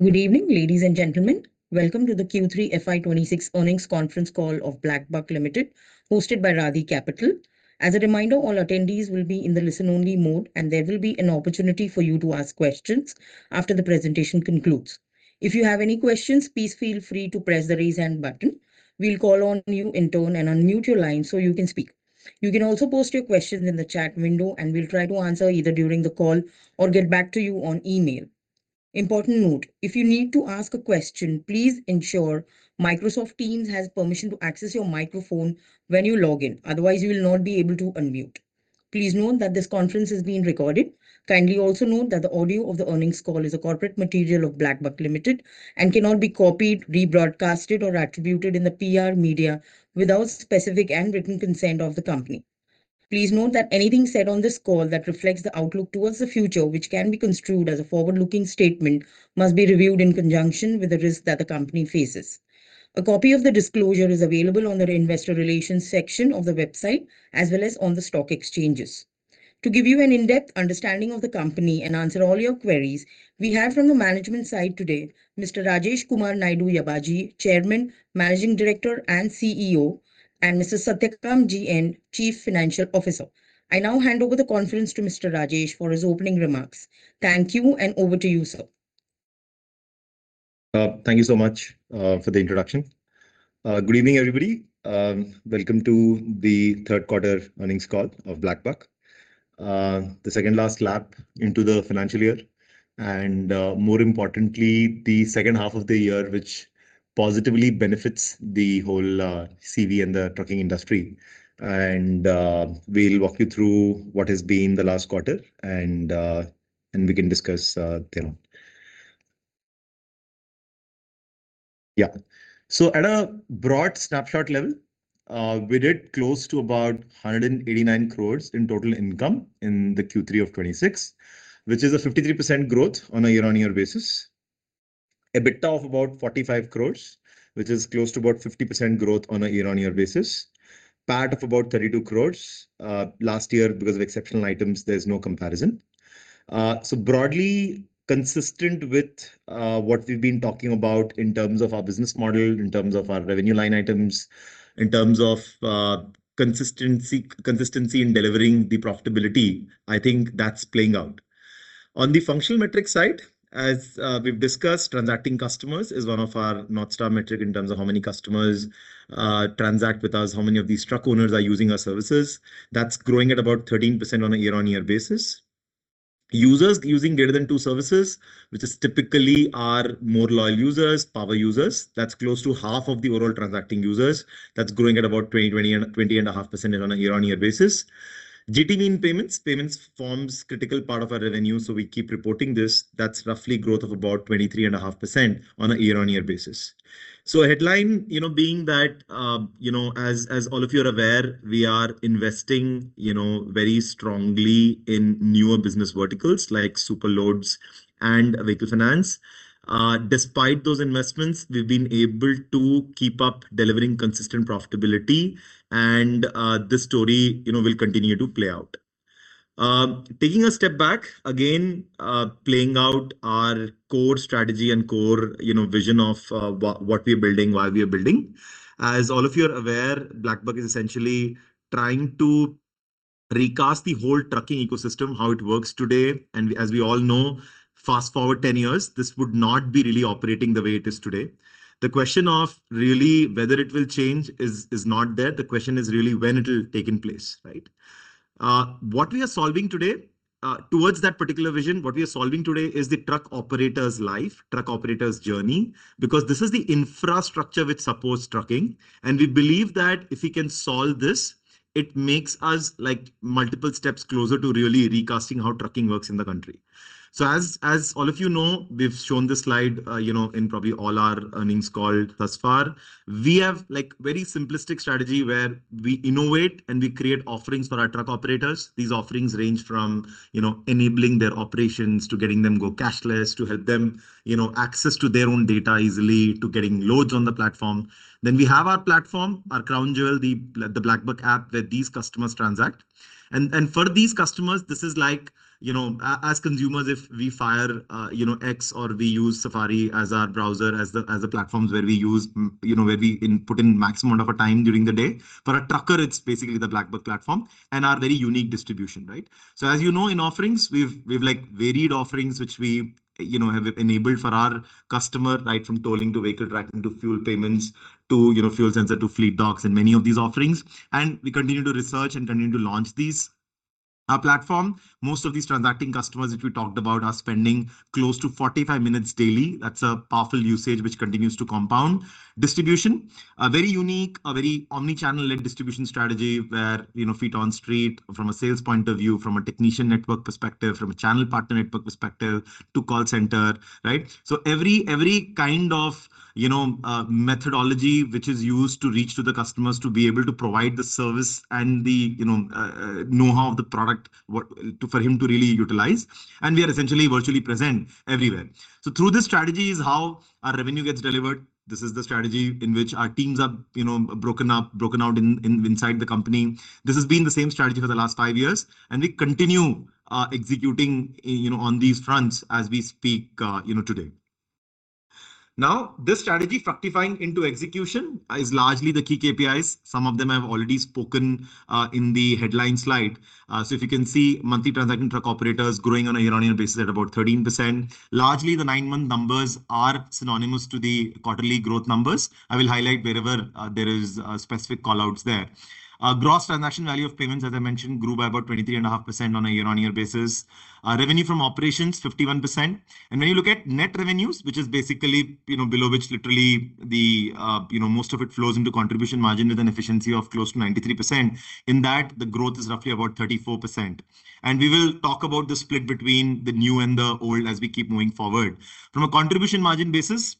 Good evening, ladies and gentlemen. Welcome to the Q3 FY 2026 earnings conference call of BlackBuck Limited, hosted by Radh Capital. As a reminder, all attendees will be in the listen-only mode, and there will be an opportunity for you to ask questions after the presentation concludes. If you have any questions, please feel free to press the Raise Hand button. We'll call on you in turn and unmute your line so you can speak. You can also post your questions in the chat window, and we'll try to answer either during the call or get back to you on email. Important note: If you need to ask a question, please ensure Microsoft Teams has permission to access your microphone when you log in, otherwise you will not be able to unmute. Please note that this conference is being recorded. Kindly also note that the audio of the earnings call is a corporate material of BlackBuck Limited and cannot be copied, rebroadcast, or attributed in the PR media without specific and written consent of the company. Please note that anything said on this call that reflects the outlook towards the future, which can be construed as a forward-looking statement, must be reviewed in conjunction with the risk that the company faces. A copy of the disclosure is available on the Investor Relations section of the website as well as on the stock exchanges. To give you an in-depth understanding of the company and answer all your queries, we have from the management side today, Mr. Rajesh Kumar Naidu Yabaji, Chairman, Managing Director, and CEO, and Mr. Satyakam G. N., Chief Financial Officer. I now hand over the conference to Mr. Rajesh for his opening remarks. Thank you, and over to you, sir. Thank you so much for the introduction. Good evening, everybody. Welcome to the third quarter earnings call of BlackBuck. The second last lap into the financial year and, more importantly, the second half of the year, which positively benefits the whole, CV and the trucking industry. We'll walk you through what has been the last quarter, and we can discuss thereafter. So at a broad snapshot level, we did close to about 189 crore in total income in the Q3 of 2026, which is a 53% growth on a year-on-year basis. EBITDA of about 45 crore, which is close to about 50% growth on a year-on-year basis. PAT of about 32 crore. Last year, because of exceptional items, there's no comparison. So broadly consistent with what we've been talking about in terms of our business model, in terms of our revenue line items, in terms of consistency, consistency in delivering the profitability, I think that's playing out. On the functional metrics side, as we've discussed, transacting customers is one of our North Star metric in terms of how many customers transact with us, how many of these truck owners are using our services. That's growing at about 13% on a year-on-year basis. Users using greater than two services, which is typically our more loyal users, power users, that's close to half of the overall transacting users. That's growing at about 20-20.5% on a year-on-year basis. GTV payments. Payments forms critical part of our revenue, so we keep reporting this. That's roughly growth of about 23.5% on a year-on-year basis. So a headline, you know, being that, you know, as, as all of you are aware, we are investing, you know, very strongly in newer business verticals like Superloads and Vehicle Finance. Despite those investments, we've been able to keep up delivering consistent profitability and, this story, you know, will continue to play out. Taking a step back, again, playing out our core strategy and core, you know, vision of, what, what we are building, why we are building. As all of you are aware, BlackBuck is essentially trying to recast the whole trucking ecosystem, how it works today, and as we all know, fast-forward 10 years, this would not be really operating the way it is today. The question of really whether it will change is not there. The question is really when it will take place, right? What we are solving today, towards that particular vision, what we are solving today is the truck operator's life, truck operator's journey, because this is the infrastructure which supports trucking, and we believe that if we can solve this, it makes us like multiple steps closer to really recasting how trucking works in the country. So, as all of you know, we've shown this slide, you know, in probably all our earnings call thus far. We have, like, very simplistic strategy, where we innovate and we create offerings for our truck operators. These offerings range from, you know, enabling their operations to getting them go cashless, to help them, you know, access to their own data easily, to getting loads on the platform. Then we have our platform, our crown jewel, the BlackBuck App, where these customers transact. And for these customers, this is like, you know, as consumers, if we file, you know, X or we use Safari as our browser, as the platforms where we use, you know, where we input in maximum amount of our time during the day. For a trucker, it's basically the BlackBuck platform and our very unique distribution, right? So, as you know, in offerings, we've like varied offerings, which we, you know, have enabled for our customer, right, from tolling to vehicle tracking, to fuel payments, to, you know, fuel sensor, to Fleet Docs and many of these offerings, and we continue to research and continue to launch these. Our platform, most of these transacting customers that we talked about are spending close to 45 minutes daily. That's a powerful usage, which continues to compound. Distribution, a very unique, a very omni-channel led distribution strategy, where, you know, feet on street from a sales point of view, from a technician network perspective, from a channel partner network perspective to call center, right? So every, every kind of, you know, methodology which is used to reach to the customers to be able to provide the service and the, you know, know-how of the product, what, for him to really utilize, and we are essentially virtually present everywhere. So through this strategy is how our revenue gets delivered. This is the strategy in which our teams are, you know, broken up, broken out in, in, inside the company. This has been the same strategy for the last 5 years, and we continue executing, you know, on these fronts as we speak, you know, today. Now, this strategy fructifying into execution is largely the key KPIs. Some of them I've already spoken in the headline slide. So if you can see, monthly transacting truck operators growing on a year-on-year basis at about 13%. Largely, the nine-month numbers are synonymous to the quarterly growth numbers. I will highlight wherever there is specific call-outs there. Gross transaction value of payments, as I mentioned, grew by about 23.5% on a year-on-year basis. Revenue from operations, 51%. When you look at net revenues, which is basically, you know, below which literally the, you know, most of it flows into contribution margin with an efficiency of close to 93%. In that, the growth is roughly about 34%. And we will talk about the split between the new and the old as we keep moving forward. From a contribution margin basis,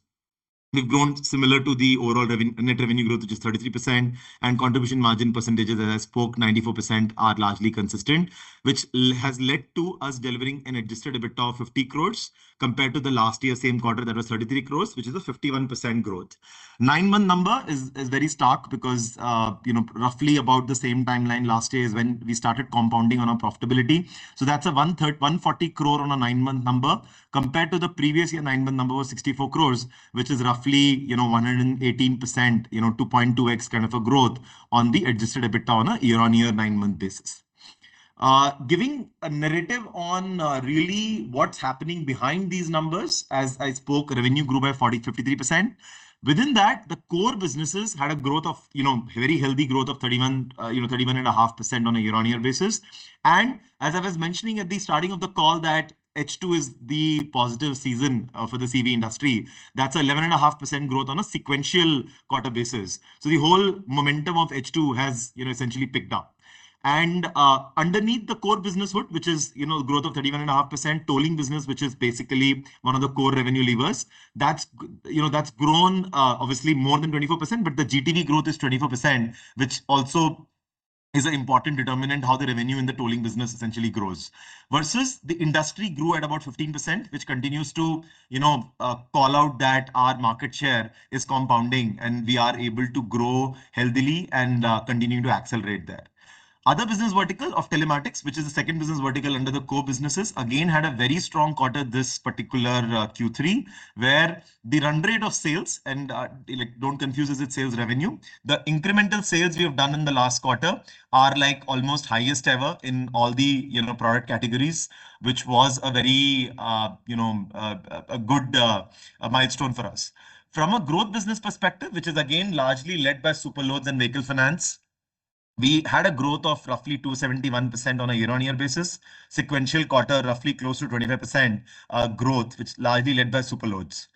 we've grown similar to the overall net revenue growth, which is 33%, and contribution margin percentage, as I spoke, 94% are largely consistent, which has led to us delivering an adjusted EBITDA of 50 crore compared to the last year, same quarter that was 33 crore, which is a 51% growth. Nine-month number is very stark because, you know, roughly about the same timeline last year is when we started compounding on our profitability. So that's a 130-140 crore on a nine-month number, compared to the previous year nine-month number was 64 crore, which is roughly, you know, 118%, you know, 2.2x kind of a growth on the adjusted EBITDA on a year-on-year, nine-month basis. Giving a narrative on, really what's happening behind these numbers, as I spoke, revenue grew by 40%-53%. Within that, the core businesses had a growth of, you know, very healthy growth of 31, you know, 31.5% on a year-on-year basis. And as I was mentioning at the starting of the call, that H2 is the positive season, for the CV industry. That's 11.5% growth on a sequential quarter basis. So the whole momentum of H2 has, you know, essentially picked up. Underneath the core business hood, which is, you know, growth of 31.5%, tolling business, which is basically one of the core revenue levers, that's you know, that's grown, obviously more than 24%, but the GTV growth is 24%, which also is an important determinant how the revenue in the tolling business essentially grows. Versus the industry grew at about 15%, which continues to, you know, call out that our market share is compounding, and we are able to grow healthily and, continue to accelerate there. Other business vertical of telematics, which is the second business vertical under the core businesses, again, had a very strong quarter this particular, Q3, where the run rate of sales and, like, don't confuse us with sales revenue. The incremental sales we have done in the last quarter are, like, almost highest ever in all the, you know, product categories, which was a very, you know, good milestone for us. From a growth business perspective, which is again largely led by Superloads and Vehicle Finance, we had a growth of roughly 271% on a year-on-year basis, sequential quarter, roughly close to 25% growth, which is largely led by Superloads.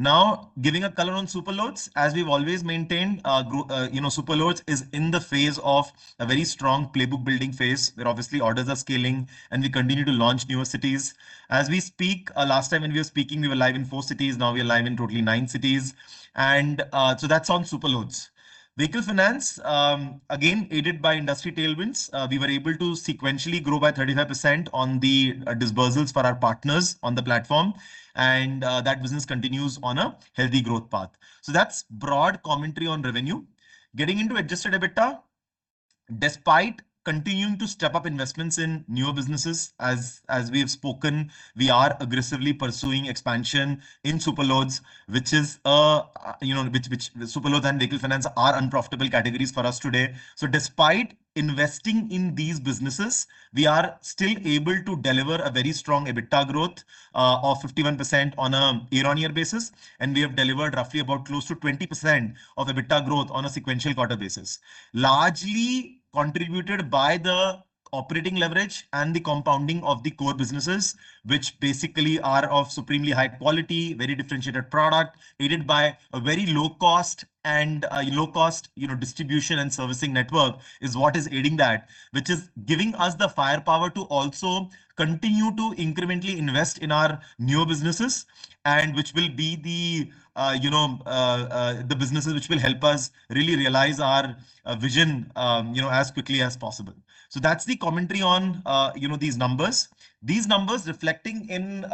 Now, giving a color on Superloads, as we've always maintained, Superloads is in the phase of a very strong playbook building phase, where obviously orders are scaling, and we continue to launch newer cities. As we speak, last time when we were speaking, we were live in four cities. Now we are live in totally nine cities, and, so that's on Superloads. Vehicle Finance, again, aided by industry tailwinds, we were able to sequentially grow by 35% on the disbursements for our partners on the platform, and that business continues on a healthy growth path. So that's broad commentary on revenue. Getting into adjusted EBITDA, despite continuing to step up investments in newer businesses, as we have spoken, we are aggressively pursuing expansion in Superloads, which is, you know, Superloads and Vehicle Finance are unprofitable categories for us today. So despite investing in these businesses, we are still able to deliver a very strong EBITDA growth of 51% on a year-over-year basis, and we have delivered roughly about close to 20% of EBITDA growth on a sequential quarter-over-quarter basis. Largely contributed by the operating leverage and the compounding of the core businesses, which basically are of supremely high quality, very differentiated product, aided by a very low cost and low cost, you know, distribution and servicing network is what is aiding that. Which is giving us the firepower to also continue to incrementally invest in our newer businesses and which will be the you know the businesses which will help us really realize our vision you know as quickly as possible. So that's the commentary on you know these numbers. These numbers reflecting in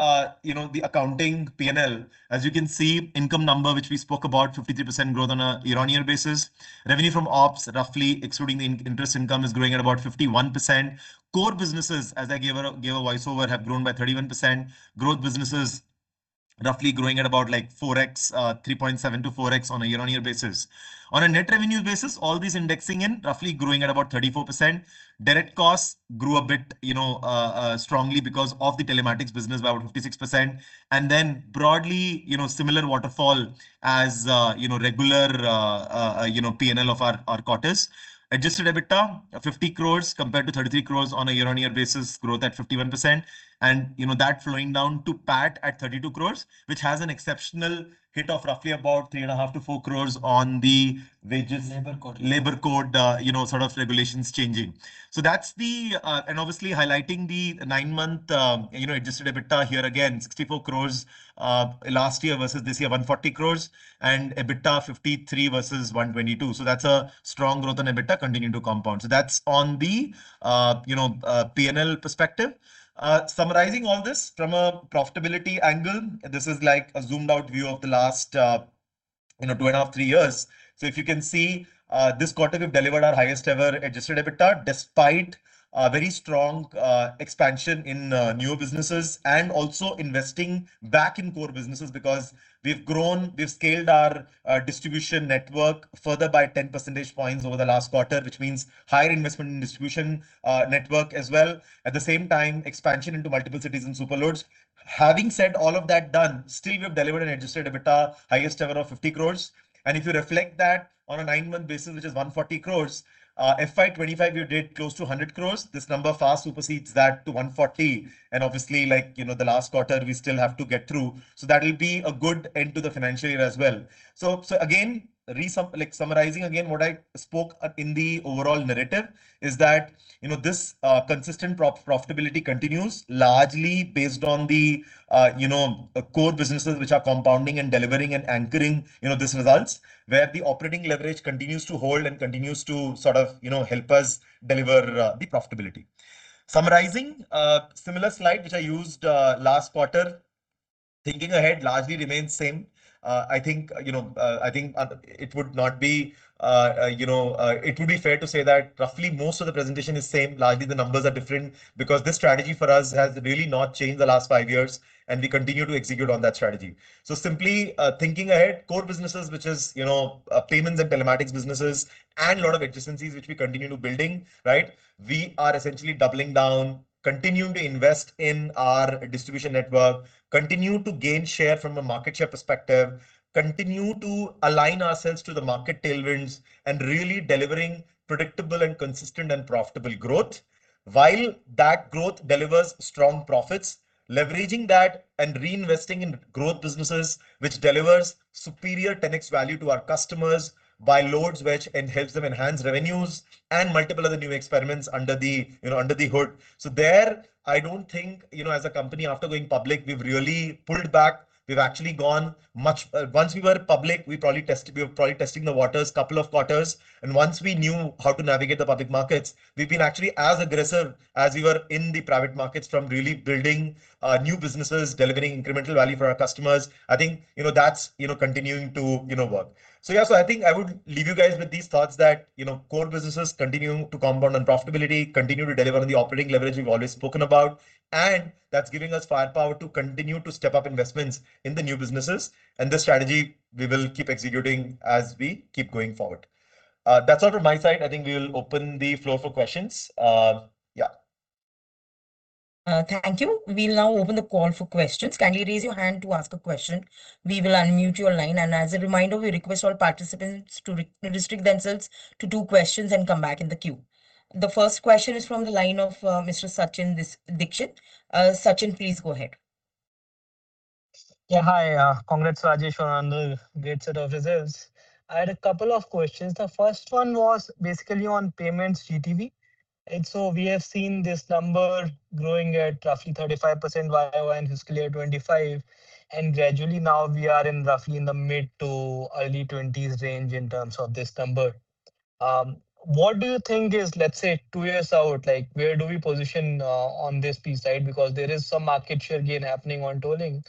you know the accounting P&L. As you can see, income number, which we spoke about, 53% growth on a year-on-year basis. Revenue from ops, roughly excluding the non-interest income, is growing at about 51%. Core businesses, as I gave a voice-over, have grown by 31%. Growth businesses, roughly growing at about like 4x, 3.7-4x on a year-on-year basis. On a net revenue basis, all these indexing in roughly growing at about 34%. Direct costs grew a bit, you know, strongly because of the telematics business, by about 56%. And then broadly, you know, similar waterfall as, you know, regular, you know, PNL of our quarters. Adjusted EBITDA, 50 crores compared to 33 crores on a year-on-year basis, growth at 51%. And you know, that flowing down to PAT at 32 crores, which has an exceptional hit of roughly about 3.5 crores-4 crores on the wages- Labour Code. Labor code, you know, sort of regulations changing. So that's the... And obviously highlighting the 9-month, you know, adjusted EBITDA here again, 64 crore, last year versus this year, 140 crore, and EBITDA, 53 crore versus 122 crore. So that's a strong growth on EBITDA continuing to compound. So that's on the, you know, P&L perspective. Summarizing all this from a profitability angle, this is like a zoomed-out view of the last-... you know, two and a half, three years. So if you can see, this quarter, we've delivered our highest ever adjusted EBITDA, despite a very strong, expansion in, new businesses and also investing back in core businesses because we've grown, we've scaled our, distribution network further by 10 percentage points over the last quarter, which means higher investment in distribution, network as well. At the same time, expansion into multiple cities and super loads. Having said all of that done, still, we have delivered an adjusted EBITDA, highest ever of 50 crore. And if you reflect that on a nine-month basis, which is 140 crore, FY 2025, we did close to 100 crore. This number far supersedes that to 140 crore. And obviously, like, you know, the last quarter, we still have to get through. So that will be a good end to the financial year as well. So again, like, summarizing again, what I spoke in the overall narrative is that, you know, this consistent profitability continues largely based on the, you know, core businesses which are compounding and delivering and anchoring, you know, these results, where the operating leverage continues to hold and continues to sort of, you know, help us deliver the profitability. Summarizing, similar slide, which I used last quarter, thinking ahead largely remains same. I think, you know, I think, it would not be, you know, it would be fair to say that roughly most of the presentation is same. Largely, the numbers are different because this strategy for us has really not changed the last five years, and we continue to execute on that strategy. So simply, thinking ahead, core businesses, which is, you know, payments and telematics businesses and a lot of adjacencies, which we continue to build, right? We are essentially doubling down, continuing to invest in our distribution network, continue to gain share from a market share perspective, continue to align ourselves to the market tailwinds, and really delivering predictable and consistent and profitable growth. While that growth delivers strong profits, leveraging that and reinvesting in growth businesses, which delivers superior 10x value to our customers by loads, which, and helps them enhance revenues and multiple other new experiments under the, you know, under the hood. So there, I don't think, you know, as a company, after going public, we've really pulled back. We've actually gone much, once we were public, we were probably testing the waters couple of quarters, and once we knew how to navigate the public markets, we've been actually as aggressive as we were in the private markets from really building new businesses, delivering incremental value for our customers. I think, you know, that's, you know, continuing to, you know, work. So, yeah, so I think I would leave you guys with these thoughts that, you know, core businesses continuing to compound on profitability, continue to deliver on the operating leverage we've always spoken about, and that's giving us firepower to continue to step up investments in the new businesses. And this strategy, we will keep executing as we keep going forward. That's all from my side. I think we will open the floor for questions. Yeah. Thank you. We'll now open the call for questions. Kindly raise your hand to ask a question. We will unmute your line. As a reminder, we request all participants to re-restrict themselves to two questions and come back in the queue. The first question is from the line of Mr. Sachin Dixit. Sachin, please go ahead. Yeah, hi. Congrats, Rajesh, on the great set of results. I had a couple of questions. The first one was basically on payments GTV. So we have seen this number growing at roughly 35% Y-o-Y in fiscal year 2025, and gradually now we are roughly in the mid-20s to early 20s range in terms of this number. What do you think is, let's say, two years out, like, where do we position on this piece, right? Because there is some market share gain happening on tolling,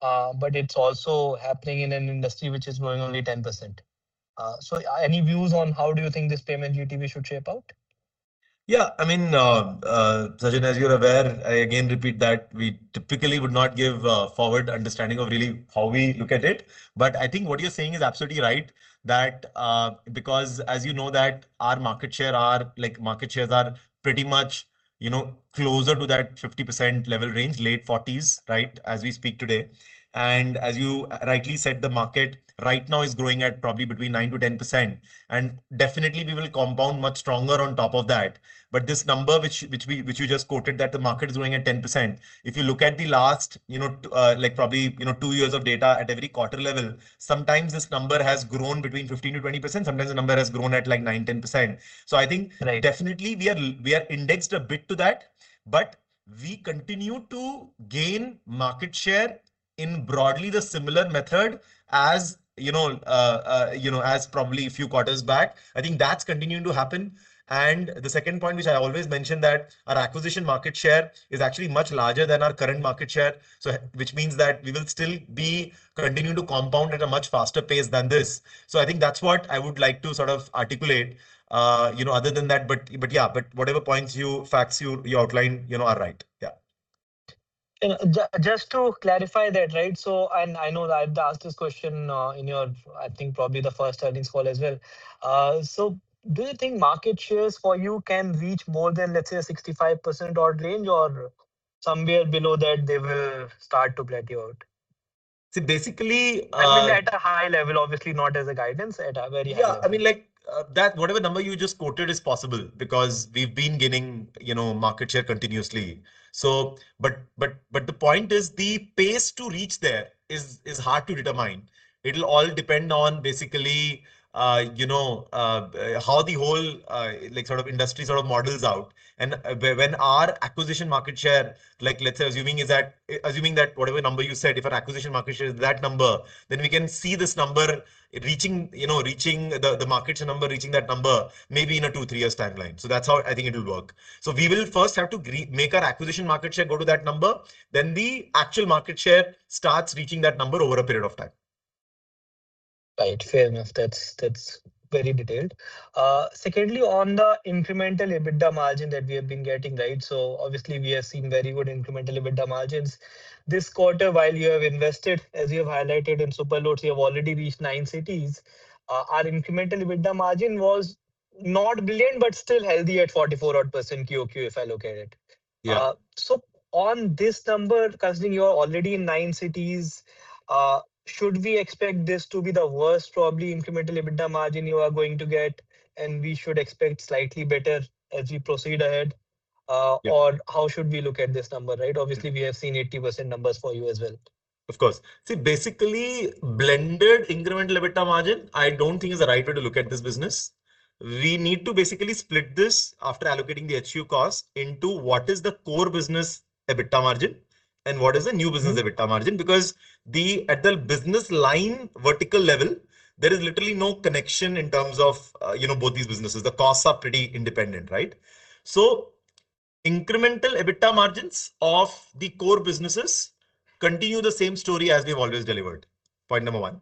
but it's also happening in an industry which is growing only 10%. So any views on how do you think this payment GTV should shape out? Yeah, I mean, Sachin, as you're aware, I again repeat that we typically would not give a forward understanding of really how we look at it. But I think what you're saying is absolutely right, that because as you know, that our market shares are pretty much, you know, closer to that 50% level range, late 40s, right, as we speak today. And as you rightly said, the market right now is growing at probably between 9%-10%, and definitely we will compound much stronger on top of that. But this number, which you just quoted, that the market is growing at 10%. If you look at the last, you know, like probably, you know, two years of data at every quarter level, sometimes this number has grown between 15%-20%. Sometimes the number has grown at, like, 9%-10%. So I think- Right. Definitely, we are. We are indexed a bit to that, but we continue to gain market share in broadly the similar method as, you know, as probably a few quarters back. I think that's continuing to happen. And the second point, which I always mention, that our acquisition market share is actually much larger than our current market share, so, which means that we will still be continuing to compound at a much faster pace than this. So I think that's what I would like to sort of articulate, you know, other than that, but yeah. But whatever points you, facts you outlined, you know, are right. Yeah. Just to clarify that, right? So and I know that I've asked this question in your, I think, probably the first earnings call as well. So do you think market shares for you can reach more than, let's say, a 65% odd range, or somewhere below that, they will start to plateau out? See, basically, I mean, at a high level, obviously, not as a guidance, at a very high level. Yeah, I mean, like, that whatever number you just quoted is possible because we've been gaining, you know, market share continuously. So but, the point is, the pace to reach there is hard to determine. It'll all depend on basically, you know, how the whole, like, sort of industry sort of models out. And when our acquisition market share, like, let's say, assuming is that assuming that whatever number you said, if our acquisition market share is that number, then we can see this number reaching, you know, reaching the market share number, reaching that number maybe in a 2-3 years timeline. So that's how I think it will work. So we will first have to make our acquisition market share go to that number, then the actual market share starts reaching that number over a period of time. ... Right, fair enough. That's, that's very detailed. Secondly, on the incremental EBITDA margin that we have been getting, right? So obviously, we have seen very good incremental EBITDA margins. This quarter, while you have invested, as you have highlighted in Superloads, you have already reached 9 cities. Our incremental EBITDA margin was not brilliant, but still healthy at 44-odd% QoQ, if I look at it. Yeah. So on this number, considering you are already in nine cities, should we expect this to be the worst, probably, incremental EBITDA margin you are going to get, and we should expect slightly better as we proceed ahead? Yeah. How should we look at this number, right? Obviously, we have seen 80% numbers for you as well. Of course. See, basically, blended incremental EBITDA margin, I don't think is the right way to look at this business. We need to basically split this after allocating the HU cost into what is the core business EBITDA margin and what is the new business. EBITDA margin? Because at the business line, vertical level, there is literally no connection in terms of, you know, both these businesses. The costs are pretty independent, right? So incremental EBITDA margins of the core businesses continue the same story as we've always delivered, point number one,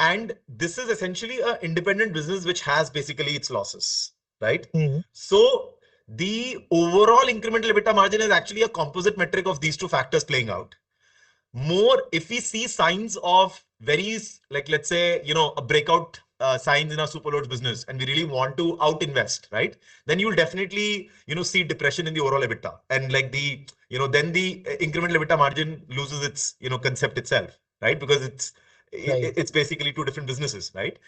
and this is essentially an independent business, which has basically its losses, right? So the overall incremental EBITDA margin is actually a composite metric of these two factors playing out. More, if we see signs of very, like, let's say, you know, a breakout, signs in our Superloads business, and we really want to out-invest, right? Then you'll definitely, you know, see depression in the overall EBITDA. And like the, you know, then the incremental EBITDA margin loses its, you know, concept itself, right? Because it's- Right It's basically two different businesses, right?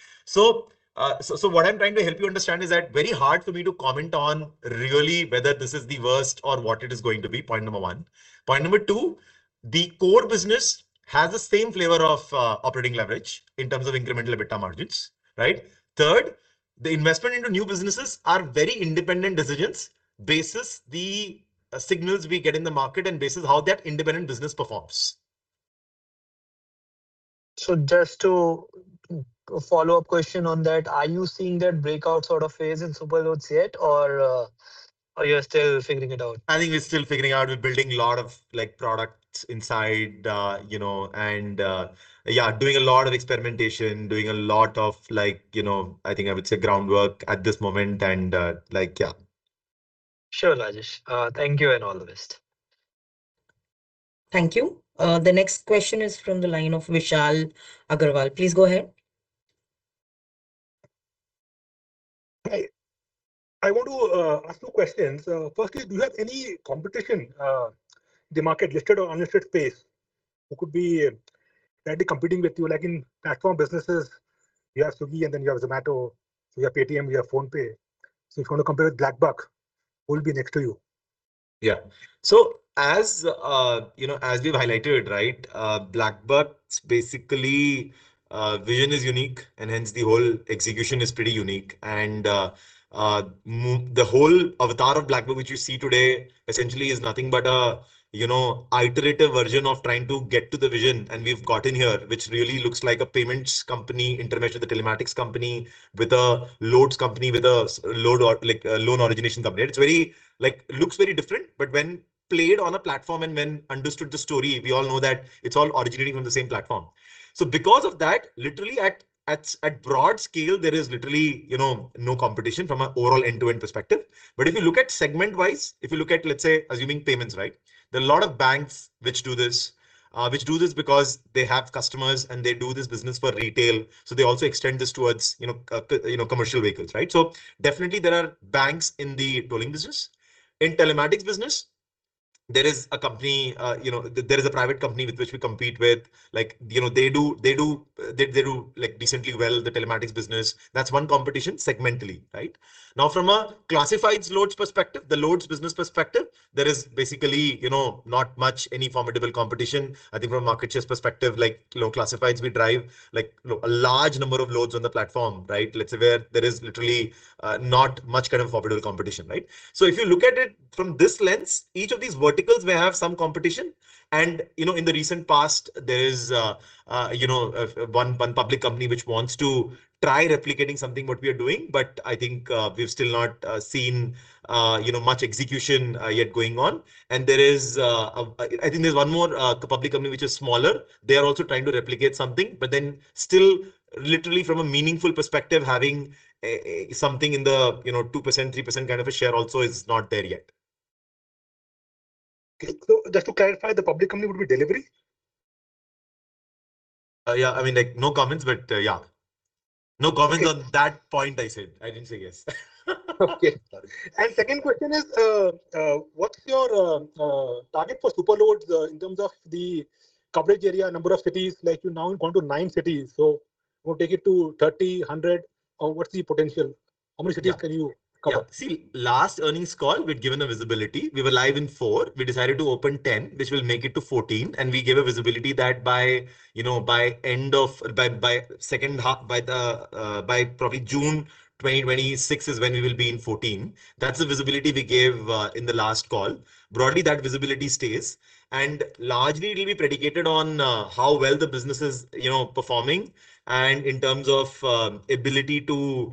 So, what I'm trying to help you understand is that very hard for me to comment on really whether this is the worst or what it is going to be, point number one. Point number two, the core business has the same flavor of, operating leverage in terms of incremental EBITDA margins, right? Third, the investment into new businesses are very independent decisions, basis the signals we get in the market and basis how that independent business performs. So, just a follow-up question on that, are you seeing that breakout sort of phase in Superloads yet, or, are you still figuring it out? I think we're still figuring out. We're building a lot of, like, products inside, you know, and... Yeah, doing a lot of experimentation, doing a lot of, like, you know, I think I would say groundwork at this moment, and, like, yeah. Sure, Rajesh. Thank you and all the best. Thank you. The next question is from the line of Vishal Agarwal. Please go ahead. Hi. I want to ask two questions. Firstly, do you have any competition, the market listed or unlisted space, who could be directly competing with you? Like in platform businesses, you have Swiggy, and then you have Zomato, you have Paytm, you have PhonePe. So if you want to compare with BlackBuck, who will be next to you? Yeah. So as you know, as we've highlighted, right, BlackBuck's basically vision is unique, and hence the whole execution is pretty unique. And the whole avatar of BlackBuck, which you see today, essentially is nothing but a, you know, iterative version of trying to get to the vision. And we've gotten here, which really looks like a payments company intermixed with a telematics company, with a loads company, with a load or like a loan origination company. It's very like looks very different, but when played on a platform and when understood the story, we all know that it's all originating from the same platform. So because of that, literally at broad scale, there is literally, you know, no competition from an overall end-to-end perspective. But if you look at segment-wise, if you look at, let's say, assuming payments, right? There are a lot of banks which do this, which do this because they have customers, and they do this business for retail, so they also extend this towards, you know, you know, commercial vehicles, right? So definitely, there are banks in the tolling business. In Telematics business, there is a company, you know, there is a private company with which we compete with, like, you know, they do, they do, they do, like, decently well, the Telematics business. That's one competition segmentally, right? Now, from a classified loads perspective, the loads business perspective, there is basically, you know, not much any formidable competition. I think from a market share perspective, like, you know, classifieds, we drive, like, you know, a large number of loads on the platform, right? Let's say where there is literally, not much kind of formidable competition, right? So if you look at it from this lens, each of these verticals may have some competition. And, you know, in the recent past, there is, you know, one public company which wants to try replicating something what we are doing, but I think, we've still not seen, you know, much execution yet going on. And there is, I think there's one more public company, which is smaller. They are also trying to replicate something, but then still, literally from a meaningful perspective, having something in the, you know, 2%-3% kind of a share also is not there yet. Just to clarify, the public company would be Delhivery? Yeah. I mean, like, no comments, but, yeah. No comments on that point, I said. I didn't say yes. Okay. Sorry. Second question is, what's your target for Superloads, in terms of the coverage area, number of cities? Like, you now gone to nine cities, so we'll take it to 30, 100, or what's the potential? How many cities- Yeah Can you cover? Yeah. See, last earnings call, we'd given a visibility. We were live in 4. We decided to open 10, which will make it to 14, and we gave a visibility that by, you know, by end of the second half, by probably June 2026 is when we will be in 14. That's the visibility we gave in the last call. Broadly, that visibility stays, and largely it'll be predicated on how well the business is, you know, performing, and in terms of ability to,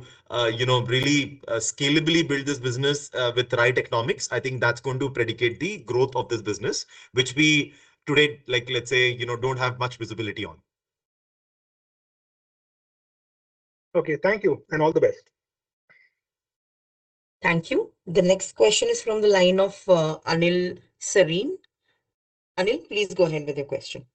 you know, really scalably build this business with the right economics. I think that's going to predicate the growth of this business, which we today, like, let's say, you know, don't have much visibility on.... Okay, thank you, and all the best. Thank you. The next question is from the line of Anil Sarin. Anil, please go ahead with your question. Anil?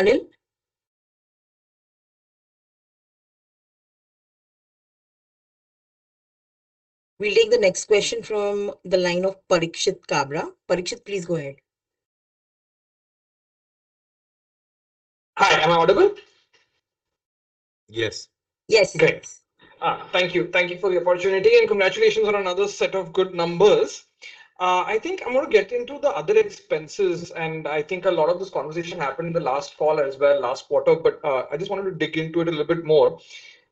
We'll take the next question from the line of Parikshit Kabra. Parikshit, please go ahead. Hi, am I audible? Yes. Yes. Great. Thank you. Thank you for the opportunity, and congratulations on another set of good numbers. I think I'm gonna get into the other expenses, and I think a lot of this conversation happened in the last call as well, last quarter, but I just wanted to dig into it a little bit more.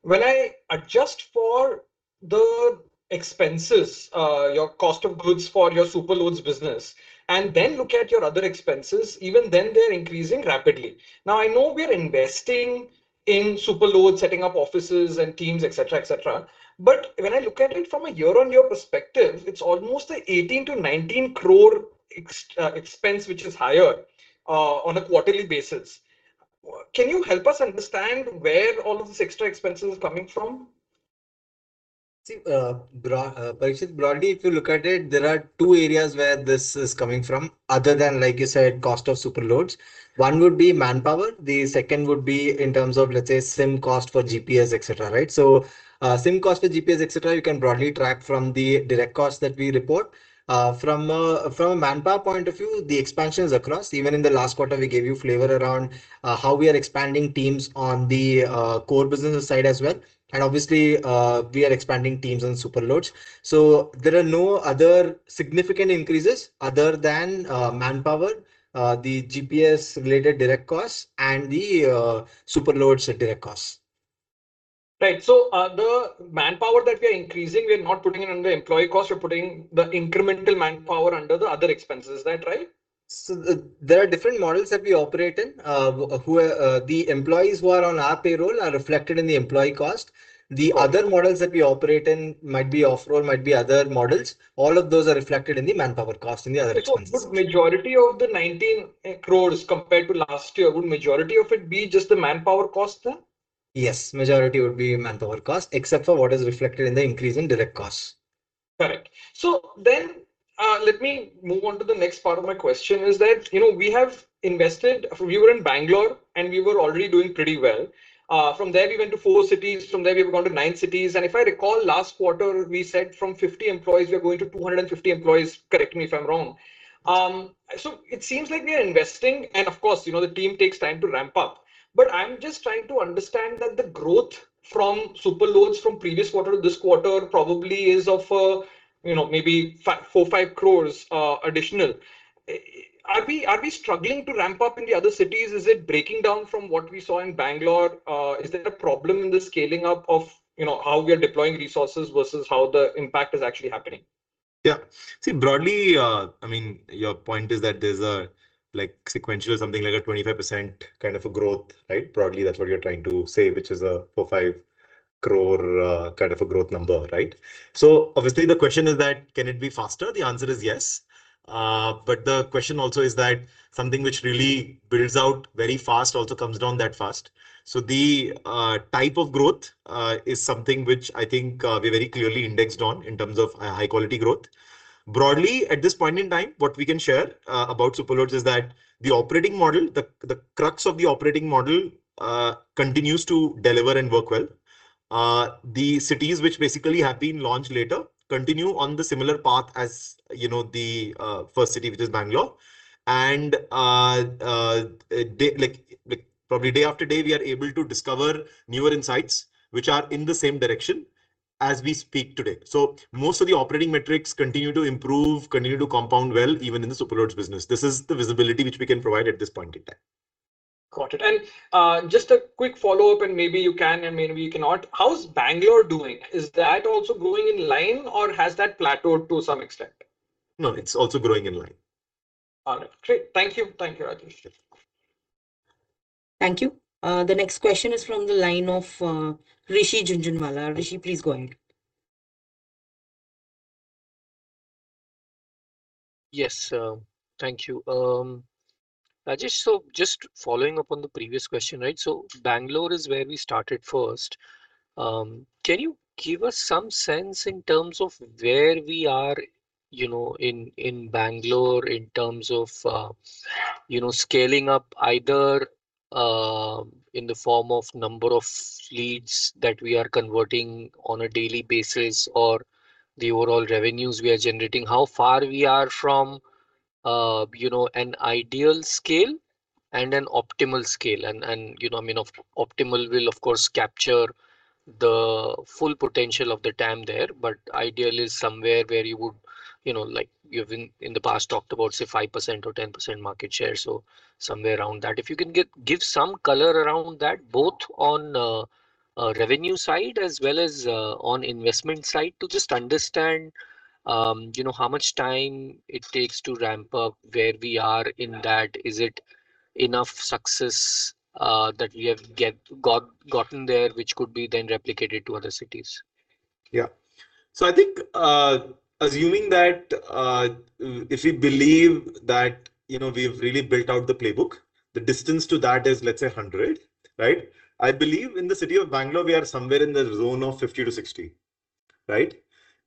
When I adjust for the expenses, your cost of goods for your Superloads business, and then look at your other expenses, even then, they're increasing rapidly. Now, I know we are investing in Superloads, setting up offices and teams, et cetera, et cetera, but when I look at it from a year-on-year perspective, it's almost an 18-19 crore expense, which is higher on a quarterly basis. Can you help us understand where all of this extra expense is coming from? See, Parikshit, broadly, if you look at it, there are two areas where this is coming from, other than, like you said, cost of Superloads. One would be manpower, the second would be in terms of, let's say, SIM cost for GPS, et cetera, right? So, SIM cost for GPS, et cetera, you can broadly track from the direct costs that we report. From a manpower point of view, the expansion is across. Even in the last quarter, we gave you flavor around, how we are expanding teams on the, core business side as well. And obviously, we are expanding teams on Superloads. So there are no other significant increases other than, manpower, the GPS-related direct costs, and the, Superloads direct costs. Right. So, the manpower that we are increasing, we're not putting it under employee cost, we're putting the incremental manpower under the other expenses, is that right? So there are different models that we operate in. The employees who are on our payroll are reflected in the employee cost. Okay. The other models that we operate in might be off-roll, might be other models, all of those are reflected in the manpower cost, in the other expenses. Would majority of the 19 crore, compared to last year, would majority of it be just the manpower cost then? Yes, majority would be manpower cost, except for what is reflected in the increase in direct costs. Correct. So then, let me move on to the next part of my question, is that, you know, we have invested... We were in Bangalore, and we were already doing pretty well. From there we went to 4 cities, from there we've gone to 9 cities, and if I recall last quarter, we said from 50 employees, we are going to 250 employees. Correct me if I'm wrong. So it seems like we are investing, and of course, you know, the team takes time to ramp up. But I'm just trying to understand that the growth from Superloads from previous quarter to this quarter probably is of, you know, maybe 4-5 crores additional. Are we struggling to ramp up in the other cities? Is it breaking down from what we saw in Bangalore? Is there a problem in the scaling up of, you know, how we are deploying resources versus how the impact is actually happening? Yeah. See, broadly, I mean, your point is that there's a, like, sequential or something like a 25% kind of a growth, right? Broadly, that's what you're trying to say, which is a 4-5 crore kind of a growth number, right? So obviously, the question is that, can it be faster? The answer is yes. But the question also is that something which really builds out very fast also comes down that fast. So the type of growth is something which I think we very clearly indexed on in terms of high-quality growth. Broadly, at this point in time, what we can share about Superloads is that the operating model, the crux of the operating model, continues to deliver and work well. The cities which basically have been launched later continue on the similar path as, you know, the first city, which is Bangalore. And day after day, we are able to discover newer insights, which are in the same direction as we speak today. So most of the operating metrics continue to improve, continue to compound well, even in the Superloads business. This is the visibility which we can provide at this point in time. Got it. And, just a quick follow-up, and maybe you can and maybe you cannot. How's Bangalore doing? Is that also growing in line, or has that plateaued to some extent? No, it's also growing in line. All right, great. Thank you. Thank you, Rajesh. Thank you. The next question is from the line of Rishi Jhunjhunwala. Rishi, please go ahead. Yes, thank you. Rajesh, so just following up on the previous question, right? So Bangalore is where we started first. Can you give us some sense in terms of where we are, you know, in, in Bangalore in terms of, you know, scaling up, either, in the form of number of leads that we are converting on a daily basis, or the overall revenues we are generating? How far we are from, you know, an ideal scale and an optimal scale? And, and, you know, I mean, optimal will, of course, capture the full potential of the TAM there, but ideally somewhere where you would, you know, like you've in, in the past talked about, say, 5% or 10% market share, so somewhere around that. If you can give some color around that, both on a revenue side as well as on investment side, to just understand, you know, how much time it takes to ramp up, where we are in that. Is it enough success that we have gotten there, which could be then replicated to other cities? Yeah. So I think, assuming that, if we believe that, you know, we've really built out the playbook, the distance to that is, let's say, 100, right? I believe in the city of Bangalore, we are somewhere in the zone of 50-60, right?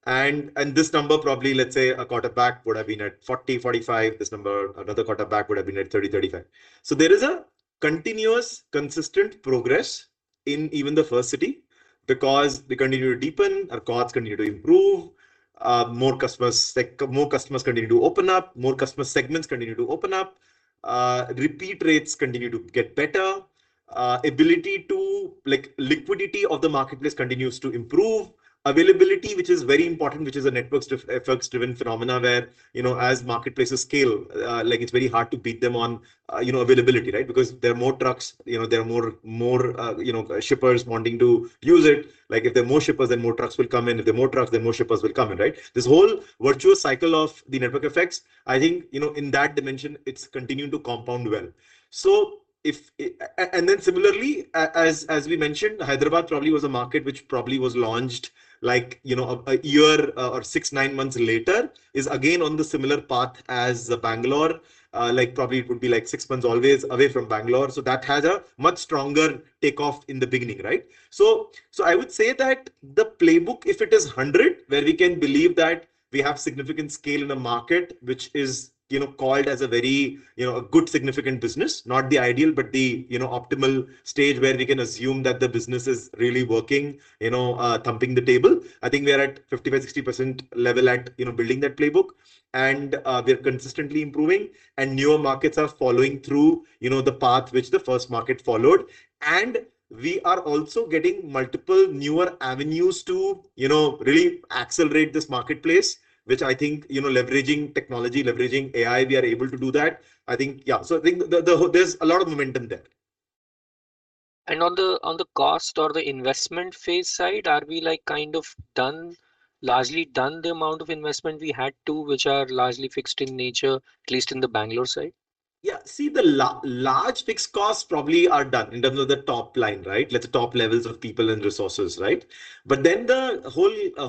And, and this number, probably, let's say, a quarterback would have been at 40-45. This number, another quarterback would have been at 30-35. So there is a continuous, consistent progress in even the first city because we continue to deepen, our costs continue to improve. More customers, like, more customers continue to open up, more customer segments continue to open up. Repeat rates continue to get better. Ability to, like, liquidity of the marketplace continues to improve. Availability, which is very important, which is a network effects-driven phenomena where, you know, as marketplaces scale, like, it's very hard to beat them on, you know, availability, right? Because there are more trucks, you know, there are more, more, you know, shippers wanting to use it. Like, if there are more shippers, then more trucks will come in. If there are more trucks, then more shippers will come in, right? This whole virtuous cycle of the network effects, I think, you know, in that dimension, it's continuing to compound well. So if—And then similarly, as, as we mentioned, Hyderabad probably was a market which probably was launched, like, you know, a, a year or six, nine months later, is again on the similar path as Bangalore. Like, probably it would be, like, six months, always away from Bangalore. So that had a much stronger takeoff in the beginning, right? So, so I would say that the playbook, if it is 100, where we can believe that we have significant scale in a market, which is, you know, called as a very, you know, a good, significant business, not the ideal, but the, you know, optimal stage where we can assume that the business is really working, you know, thumping the table. I think we are at 55%-60% level at, you know, building that playbook, and, we are consistently improving, and newer markets are following through, you know, the path which the first market followed. And we are also getting multiple newer avenues to, you know, really accelerate this marketplace, which I think, you know, leveraging technology, leveraging AI, we are able to do that, I think. Yeah, so I think there's a lot of momentum there. On the cost or the investment phase side, are we, like, kind of done—largely done the amount of investment we had to, which are largely fixed in nature, at least in the Bangalore side? Yeah. See, the large fixed costs probably are done in terms of the top line, right? Like, the top levels of people and resources, right? But then the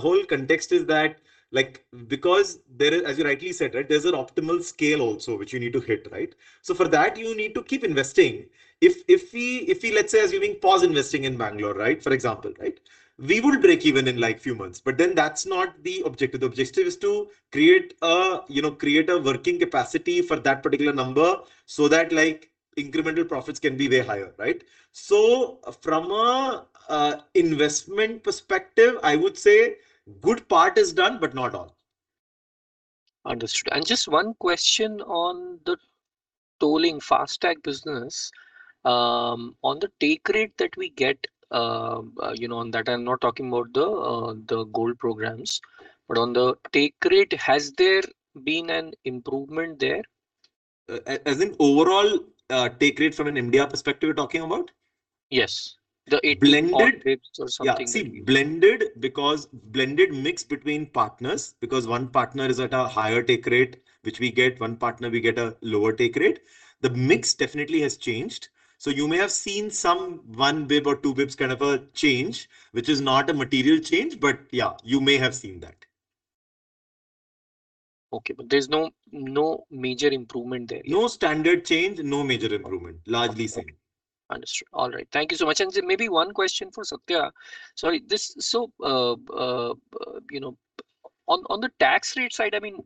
whole context is that, like, because there is, as you rightly said, right, there's an optimal scale also, which you need to hit, right? So for that, you need to keep investing. If we, let's say, assuming we pause investing in Bangalore, right? For example, right? We would break even in, like, few months, but then that's not the objective. The objective is to create a, you know, create a working capacity for that particular number so that, like, incremental profits can be way higher, right? So from an investment perspective, I would say good part is done, but not all. Understood. Just one question on the tolling FASTag business. On the take rate that we get, you know, on that, I'm not talking about the, the gold programs, but on the take rate, has there been an improvement there? As in overall, take rate from an India perspective, we're talking about? Yes, the 18- Blended- Or something like that. Yeah. See, blended because blended mix between partners, because one partner is at a higher take rate, which we get one partner, we get a lower take rate. The mix definitely has changed, so you may have seen some one bps or two bps kind of a change, which is not a material change, but yeah, you may have seen that. Okay, but there's no major improvement there. No standard change, no major improvement. Largely same. Understood. All right. Thank you so much. And maybe one question for Satya. Sorry, so, you know, on the tax rate side, I mean,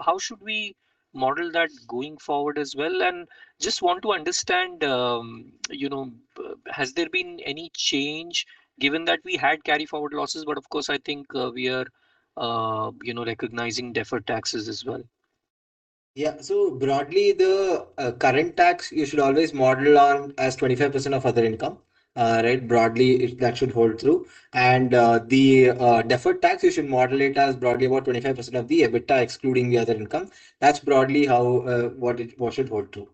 how should we model that going forward as well? And just want to understand, you know, has there been any change given that we had carry forward losses, but of course, I think, we are, you know, recognizing deferred taxes as well. Yeah. So broadly, the current tax, you should always model on as 25% of other income. Right? Broadly, that should hold true. And, the deferred tax, you should model it as broadly about 25% of the EBITDA, excluding the other income. That's broadly how what should hold true.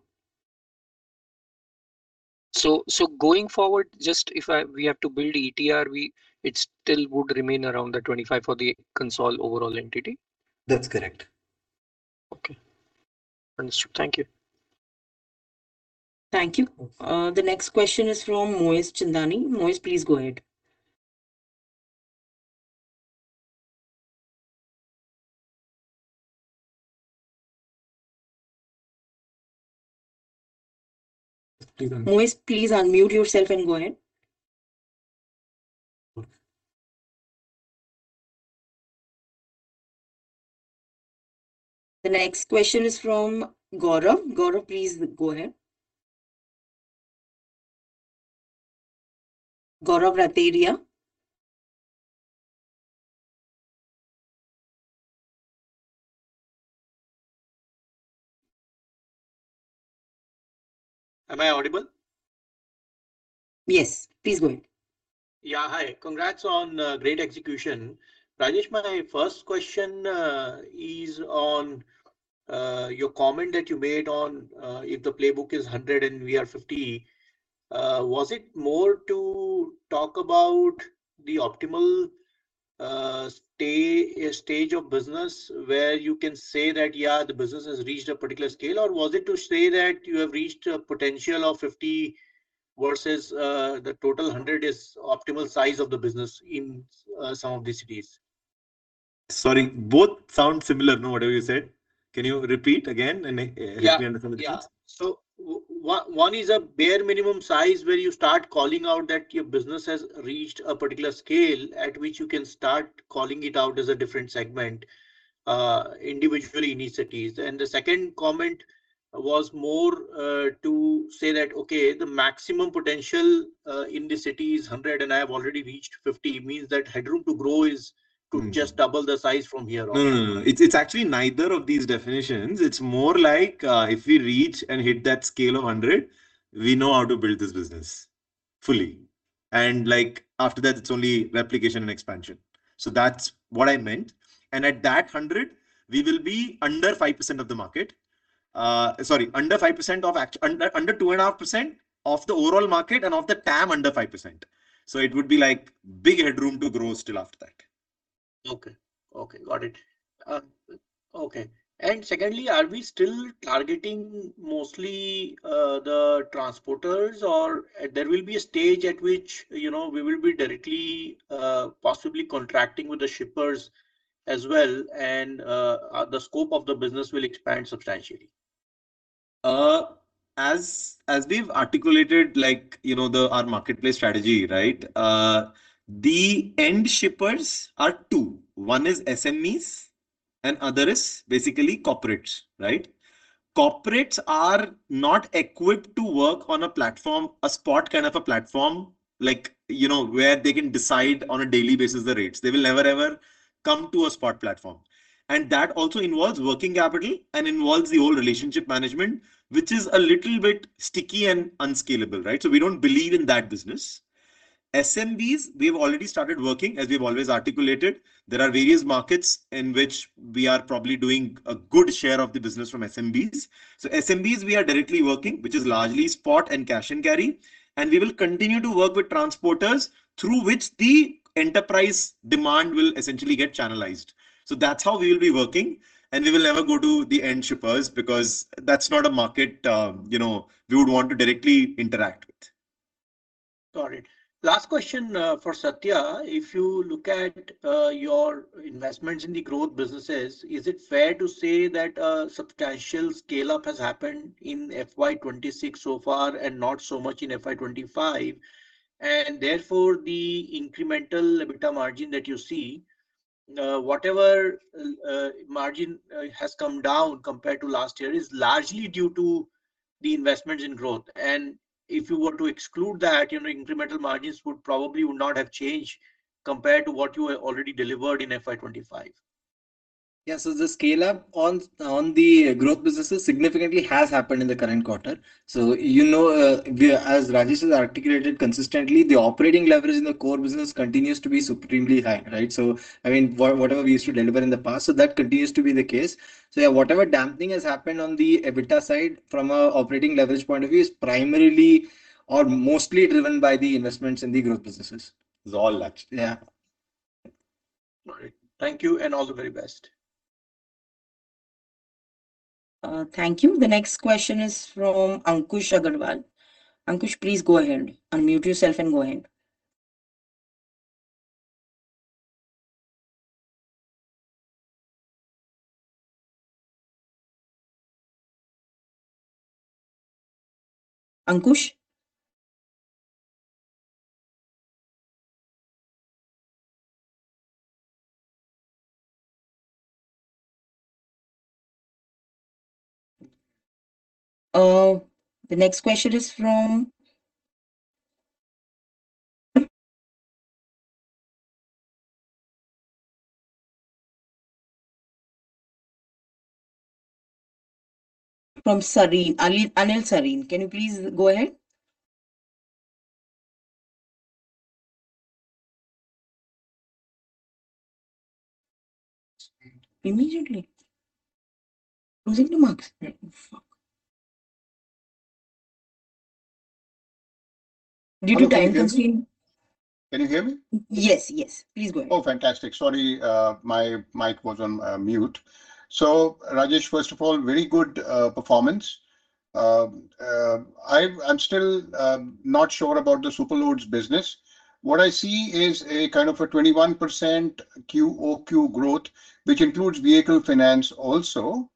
So, going forward, just if we have to build ETR, it still would remain around the 25 for the consolidated overall entity? That's correct. Okay. Understood. Thank you. Thank you. Okay. The next question is from Moez Chandani. Moez, please go ahead. Moez, please unmute yourself and go ahead. Okay. The next question is from Gaurav. Gaurav, please go ahead. Gaurav Rateria. Am I audible? Yes, please go ahead. Yeah. Hi, congrats on great execution. Rajesh, my first question is on your comment that you made on if the playbook is 100 and we are 50, was it more to talk about the optimal a stage of business where you can say that, yeah, the business has reached a particular scale, or was it to say that you have reached a potential of 50 versus the total 100 is optimal size of the business in some of the cities? Sorry, both sound similar, no, whatever you said. Can you repeat again, and I- Yeah. Let me understand it, please. Yeah. So one is a bare minimum size, where you start calling out that your business has reached a particular scale, at which you can start calling it out as a different segment, individually in these cities. And the second comment was more to say that, okay, the maximum potential in the city is 100, and I have already reached 50. Means that headroom to grow is- to just double the size from here on. It's, it's actually neither of these definitions. It's more like, if we reach and hit that scale of 100, we know how to build this business fully, and, like, after that, it's only replication and expansion. So that's what I meant. And at that 100, we will be under 5% of the market. Sorry, under 5% of act... under 2.5% of the overall market, and of the TAM, under 5%. So it would be, like, big headroom to grow still after that. Okay. Okay, got it. Okay. And secondly, are we still targeting mostly the transporters? Or there will be a stage at which, you know, we will be directly possibly contracting with the shippers as well, and the scope of the business will expand substantially. As we've articulated, like, you know, our marketplace strategy, right? The end shippers are two. One is SMEs, and other is basically corporates, right? Corporates are not equipped to work on a platform, a spot, kind of a platform, like, you know, where they can decide on a daily basis the rates. They will never, ever come to a spot platform. And that also involves working capital and involves the old relationship management, which is a little bit sticky and unscalable, right? So we don't believe in that business. SMBs, we've already started working, as we've always articulated. There are various markets in which we are probably doing a good share of the business from SMBs. So SMBs, we are directly working, which is largely spot and cash and carry, and we will continue to work with transporters, through which the enterprise demand will essentially get channelized. So that's how we will be working, and we will never go to the end shippers because that's not a market, you know, we would want to directly interact with. Got it. Last question for Satya. If you look at your investments in the growth businesses, is it fair to say that a substantial scale-up has happened in FY 26 so far and not so much in FY 25, and therefore, the incremental EBITDA margin that you see, whatever margin has come down compared to last year is largely due to the investments in growth? And if you were to exclude that, you know, incremental margins would probably would not have changed compared to what you have already delivered in FY 25. Yeah, so the scale-up on the growth businesses significantly has happened in the current quarter. So, you know, we—as Rajesh has articulated consistently, the operating leverage in the core business continues to be supremely high, right? So, I mean, whatever we used to deliver in the past, so that continues to be the case. So, yeah, whatever dampening has happened on the EBITDA side from an operating leverage point of view is primarily or mostly driven by the investments in the growth businesses. It's all that. Yeah. All right. Thank you, and all the very best. Thank you. The next question is from Ankush Agrawal. Ankush, please go ahead. Unmute yourself and go ahead. Ankush? The next question is from... From Anil Sarin, Anil Sarin. Can you please go ahead? Immediately. Losing you, Mark. Fuck. Did you time freeze? Can you hear me? Yes, yes. Please go ahead. Oh, fantastic. Sorry, my mic was on mute. So, Rajesh, first of all, very good performance. I'm still not sure about the Superloads business. What I see is a kind of a 21% QOQ growth, which includes vehicle finance also.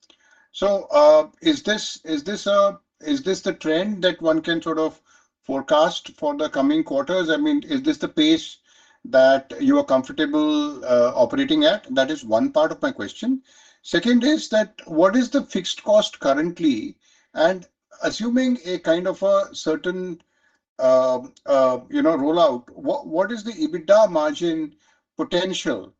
So, is this the trend that one can sort of forecast for the coming quarters? I mean, is this the pace that you are comfortable operating at? That is one part of my question. Second is that what is the fixed cost currently? And assuming a kind of a certain, you know, rollout, what is the EBITDA margin potential?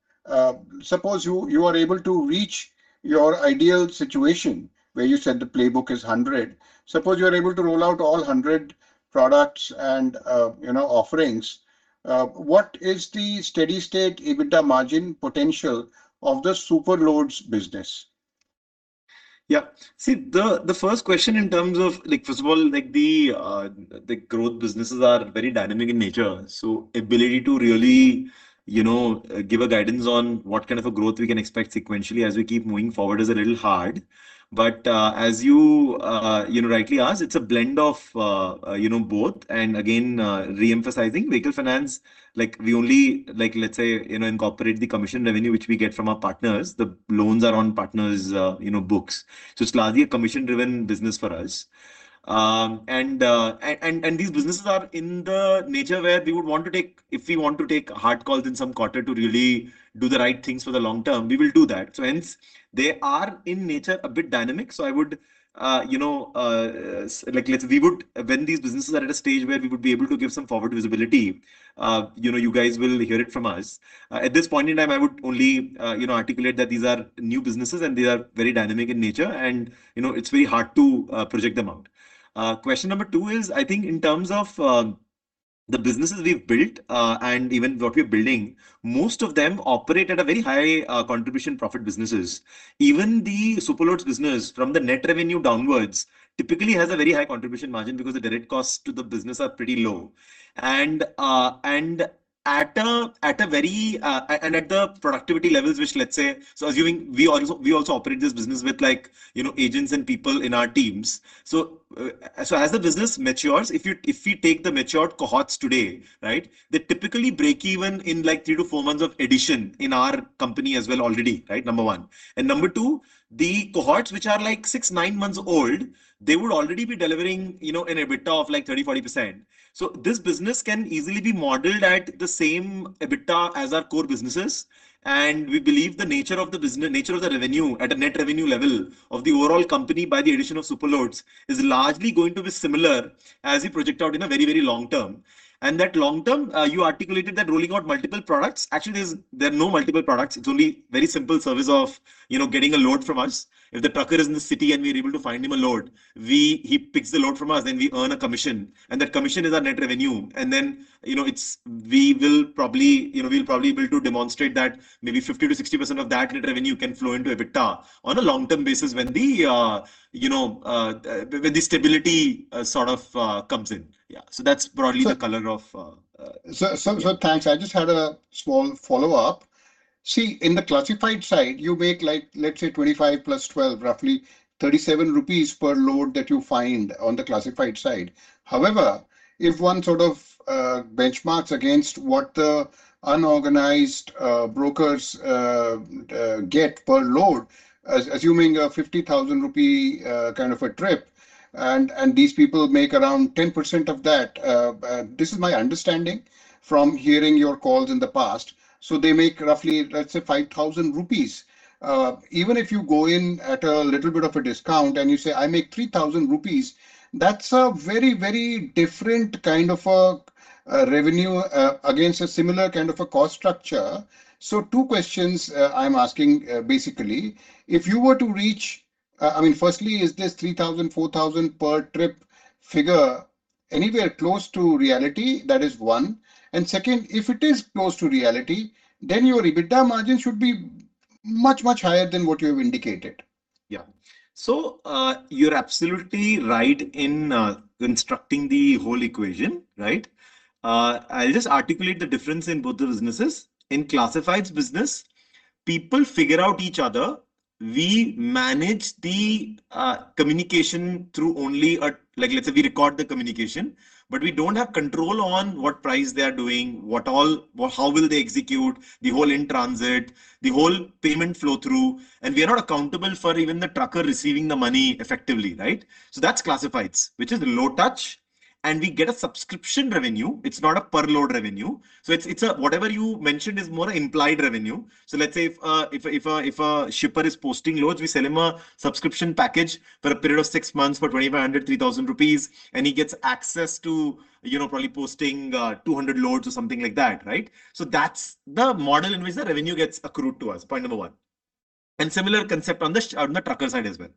Suppose you are able to reach your ideal situation, where you said the playbook is 100. Suppose you are able to roll out all 100 products and, you know, offerings, what is the steady-state EBITDA margin potential of the Superloads business?... Yeah. See, the first question in terms of, like, first of all, like, the growth businesses are very dynamic in nature, so ability to really, you know, give a guidance on what kind of a growth we can expect sequentially as we keep moving forward is a little hard. But, as you rightly asked, it's a blend of, you know, both. And again, re-emphasizing vehicle finance, like we only-- like, let's say, you know, incorporate the commission revenue, which we get from our partners. The loans are on partners', you know, books, so it's largely a commission-driven business for us. These businesses are in the nature where we would want to take, if we want to take hard calls in some quarter to really do the right things for the long term, we will do that. So hence, they are in nature, a bit dynamic. So I would, you know, like, we would when these businesses are at a stage where we would be able to give some forward visibility, you know, you guys will hear it from us. At this point in time, I would only, you know, articulate that these are new businesses, and they are very dynamic in nature, and, you know, it's very hard to project them out. Question number two is, I think in terms of, the businesses we've built, and even what we're building, most of them operate at a very high, contribution profit businesses. Even the Superloads business, from the net revenue downwards, typically has a very high contribution margin because the direct costs to the business are pretty low. And at the productivity levels, which, let's say, so assuming we also operate this business with like, you know, agents and people in our teams. So as the business matures, if we take the matured cohorts today, right, they typically break even in, like, three to four months of addition in our company as well already, right? Number one. And number two, the cohorts, which are, like, 6, 9 months old, they would already be delivering, you know, an EBITDA of, like, 30%, 40%. So this business can easily be modeled at the same EBITDA as our core businesses, and we believe the nature of the business, nature of the revenue at a net revenue level of the overall company by the addition of Superloads is largely going to be similar as we project out in a very, very long term. And that long term, you articulated that rolling out multiple products. Actually, there are no multiple products. It's only very simple service of, you know, getting a load from us. If the trucker is in the city and we're able to find him a load, he picks the load from us, then we earn a commission, and that commission is our net revenue. Then, you know, it's we will probably, you know, we'll probably be able to demonstrate that maybe 50%-60% of that net revenue can flow into EBITDA on a long-term basis when the, you know, when the stability sort of comes in. Yeah. So that's broadly- Sir- the color of, Sir, thanks. I just had a small follow-up. See, in the classified side, you make like, let's say, 25 + 12, roughly 37 rupees per load that you find on the classified side. However, if one sort of benchmarks against what the unorganized brokers get per load, assuming a 50,000 rupee kind of a trip, and these people make around 10% of that, this is my understanding from hearing your calls in the past. So they make roughly, let's say, 5,000 rupees. Even if you go in at a little bit of a discount and you say, "I make 3,000 rupees," that's a very, very different kind of a revenue against a similar kind of a cost structure. So two questions, I'm asking, basically. If you were to reach... I mean, firstly, is this 3,000, 4,000 per trip figure anywhere close to reality? That is one. And second, if it is close to reality, then your EBITDA margin should be much, much higher than what you have indicated. Yeah. So, you're absolutely right in constructing the whole equation, right? I'll just articulate the difference in both the businesses. In classifieds business, people figure out each other. We manage the communication through only a, like, let's say we record the communication, but we don't have control on what price they are doing, what all, how will they execute the whole in transit, the whole payment flow through, and we are not accountable for even the trucker receiving the money effectively, right? So that's classifieds, which is low touch, and we get a subscription revenue. It's not a per load revenue. So it's whatever you mentioned is more an implied revenue. So let's say if a shipper is posting loads, we sell him a subscription package for a period of six months for 2,500-3,000 rupees, and he gets access to, you know, probably posting, two hundred loads or something like that, right? So that's the model in which the revenue gets accrued to us, point number one, and similar concept on the, on the trucker side as well.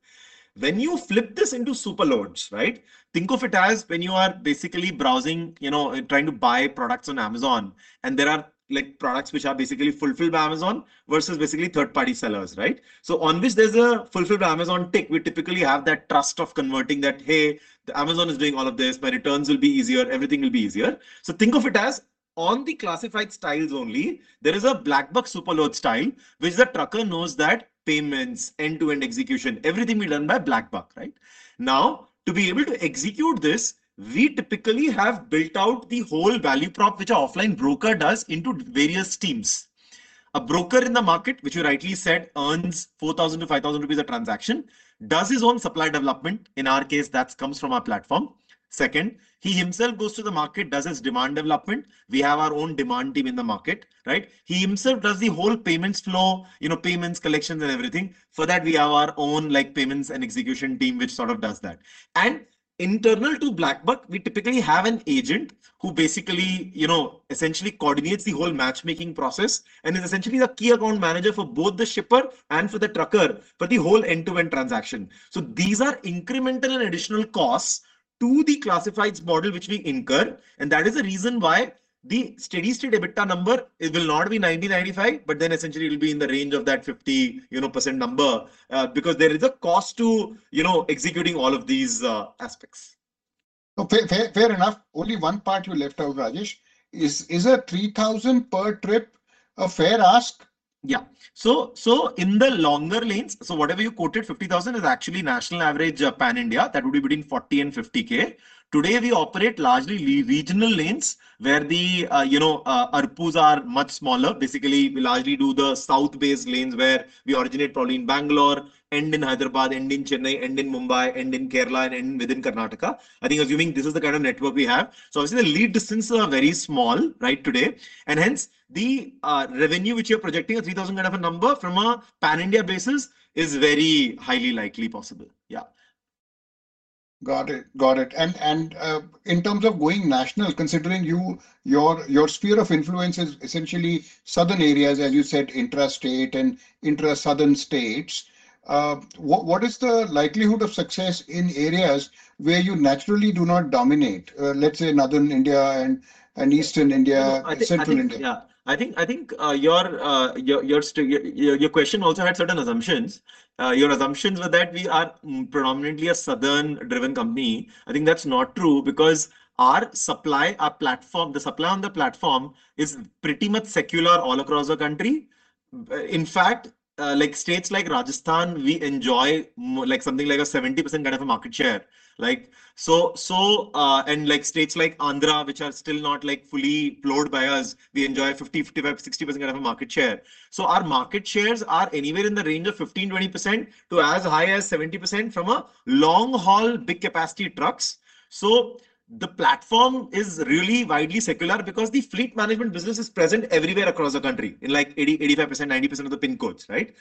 When you flip this into Superloads, right? Think of it as when you are basically browsing, you know, trying to buy products on Amazon, and there are, like, products which are basically fulfilled by Amazon versus basically third-party sellers, right? So on which there's a fulfilled by Amazon tick, we typically have that trust of converting that, "Hey, the Amazon is doing all of this. My returns will be easier, everything will be easier." So think of it as on the classified styles only, there is a BlackBuck Superloads style, which the trucker knows that payments, end-to-end execution, everything will be done by BlackBuck, right. Now, to be able to execute this, we typically have built out the whole value prop, which our offline broker does into various teams. A broker in the market, which you rightly said, earns 4,000-5,000 rupees a transaction, does his own supply development. In our case, that comes from our platform. Second, he himself goes to the market, does his demand development. We have our own demand team in the market, right? He himself does the whole payments flow, you know, payments, collections, and everything. For that, we have our own, like, payments and execution team, which sort of does that. Internal to BlackBuck, we typically have an agent who basically, you know, essentially coordinates the whole matchmaking process and is essentially the key account manager for both the shipper and for the trucker, for the whole end-to-end transaction. These are incremental and additional costs to the classifieds model, which we incur, and that is the reason why the steady-state EBITDA number, it will not be 90, 95, but then essentially it will be in the range of that 50%, you know, because there is a cost to, you know, executing all of these aspects. Okay, fair, fair enough. Only one part you left out, Rajesh. Is a 3,000 per trip a fair ask? Yeah. So, so in the longer lanes, so whatever you quoted, 50,000 is actually national average pan-India. That would be between 40,000 and 50,000. Today, we operate largely regional lanes where the, you know, ARPUs are much smaller. Basically, we largely do the South-based lanes where we originate, probably in Bangalore, end in Hyderabad, end in Chennai, end in Mumbai, end in Kerala, and end within Karnataka. I think assuming this is the kind of network we have, so obviously the lead distances are very small, right, today, and hence the revenue which you're projecting, an 3,000 kind of a number from a pan-India basis, is very highly likely possible. Yeah. Got it. Got it. And in terms of going national, considering your sphere of influence is essentially southern areas, as you said, intra-state and intra-Southern states, what is the likelihood of success in areas where you naturally do not dominate? Let's say Northern India and Eastern India- I think- Central India. Yeah. I think your question also had certain assumptions. Your assumptions were that we are predominantly a southern-driven company. I think that's not true because our supply, our platform, the supply on the platform is pretty much secular all across the country. In fact, like states like Rajasthan, we enjoy like something like a 70% kind of a market share, like. So, and like states like Andhra, which are still not like fully plowed by us, we enjoy 50, 55, 60% kind of a market share. So our market shares are anywhere in the range of 15%-20% to as high as 70% from a long-haul, big-capacity trucks. The platform is really widely secular because the fleet management business is present everywhere across the country, in like 80-85%, 90% of the pin codes, right?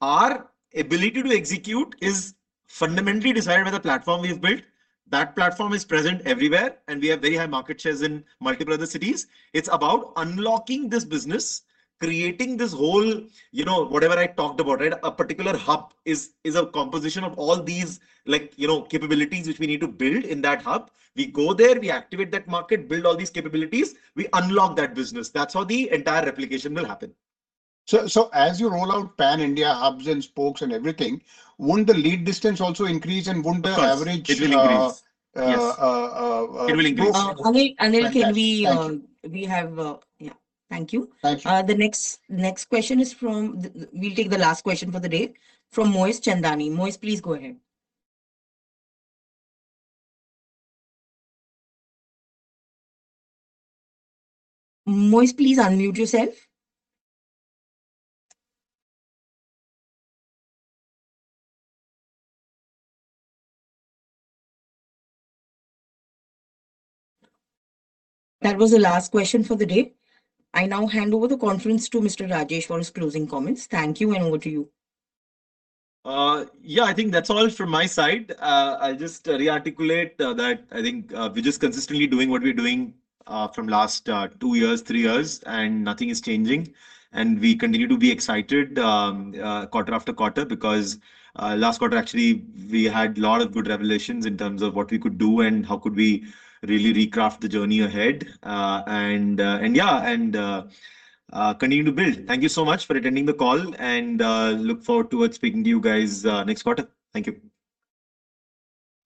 Our ability to execute is fundamentally desired by the platform we have built. That platform is present everywhere, and we have very high market shares in multiple other cities. It's about unlocking this business, creating this whole, you know, whatever I talked about, right? A particular hub is a composition of all these, like, you know, capabilities which we need to build in that hub. We go there, we activate that market, build all these capabilities, we unlock that business. That's how the entire replication will happen. So, as you roll out pan-India hubs and spokes and everything, won't the lead distance also increase, and won't the- Of course -average- It will increase. Uh- Yes. Uh, uh, uh- It will increase. Anil, Anil, can we Thank you. We have, Yeah. Thank you. Thank you. The next, next question is from, we'll take the last question for the day from Moez Chandani. Moez, please go ahead. Moez, please unmute yourself. That was the last question for the day. I now hand over the conference to Mr. Rajesh for his closing comments. Thank you, and over to you. Yeah, I think that's all from my side. I'll just rearticulate that I think we're just consistently doing what we're doing from last two years, three years, and nothing is changing, and we continue to be excited quarter after quarter, because last quarter, actually, we had a lot of good revelations in terms of what we could do and how could we really recraft the journey ahead. Yeah, continue to build. Thank you so much for attending the call and look forward towards speaking to you guys next quarter. Thank you.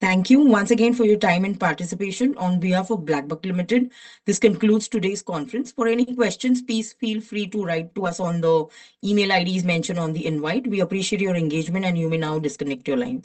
Thank you once again for your time and participation. On behalf of BlackBuck Limited, this concludes today's conference. For any questions, please feel free to write to us on the email IDs mentioned on the invite. We appreciate your engagement, and you may now disconnect your line.